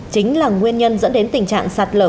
chính là nguyên nhân dẫn đến tình trạng sạt lở